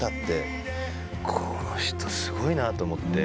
この人すごいなと思って。